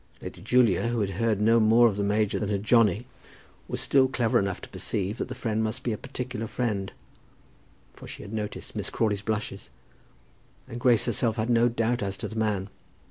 Lady Julia, who had heard no more of the major than had Johnny, was still clever enough to perceive that the friend must be a particular friend, for she had noticed Miss Crawley's blushes. And Grace herself had no doubt as to the man.